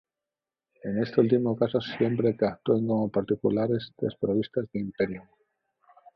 En este último caso siempre que actúen como particulares desprovistas de imperium.